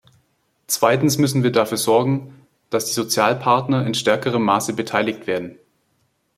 Zweitens müssen wir dafür sorgen, dass die Sozialpartner in stärkerem Maße beteiligt werden.